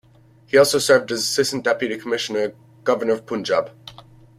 He also served as Assistant Deputy Commissioner Governor of Punjab.